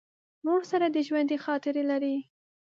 ورور سره د ژوندي خاطرې لرې.